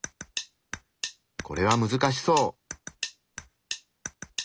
これは難しそう。